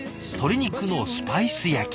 鶏肉のスパイス焼き。